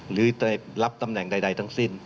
หรือจะรับตำแหน่งใดทั้งสิ้น